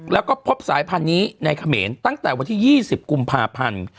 แล้วก็พบสายพันธุ์นี้ในเขมรตั้งแต่วันที่๒๐กุมภาพันธ์